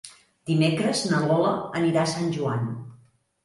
Dimecres na Lola anirà a Sant Joan.